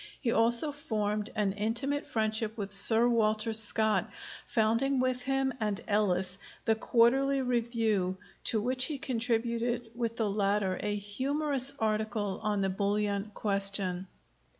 He also formed an intimate friendship with Sir Walter Scott, founding with him and Ellis the Quarterly Review, to which he contributed with the latter a humorous article on the bullion question.